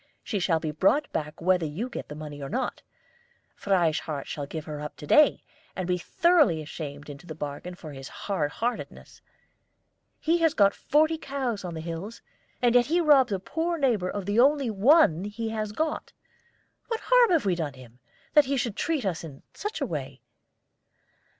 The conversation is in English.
"She shall be brought back whether you get the money or not. Frieshardt shall give her up to day, and be thoroughly ashamed into the bargain for his hard heartedness. He has got forty cows on the hills, and yet robs a poor neighbor of the only one he has got. What harm have we done him, that he should treat us in such a way?"